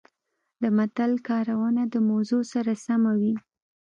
د متل کارونه د موضوع سره سمه وي